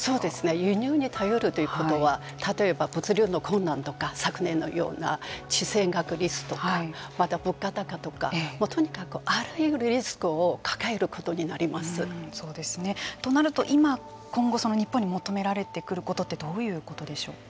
輸入に頼るということは例えば物流の困難とか昨年のようなちせい学リスクとかまた物価高とかとにかくあらゆるリスクをとなると、今後日本に求められてくることってどういうことでしょうか。